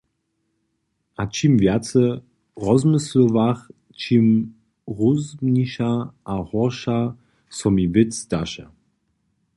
A čim wjace rozmyslowach, ćim hrózbniša a hórša so mi wěc zdaše.